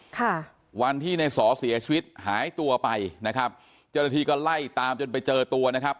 ค่ะวันที่ในสอเสียชีวิตหายตัวไปนะครับเจ้าหน้าที่ก็ไล่ตามจนไปเจอตัวนะครับ